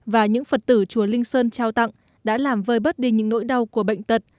và những phật tử chùa linh sơn trao tặng đã làm vơi bớt đi những nỗi đau của bệnh tật